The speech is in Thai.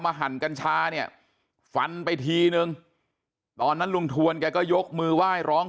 หั่นกัญชาเนี่ยฟันไปทีนึงตอนนั้นลุงทวนแกก็ยกมือไหว้ร้อง